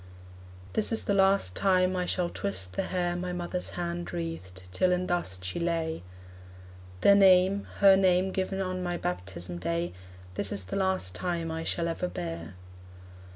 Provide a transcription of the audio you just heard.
This is the last time I shall twist the hair My mother's hand wreathed, till in dust she lay: The name, her name given on my baptism day, This is the last time I shall ever bear.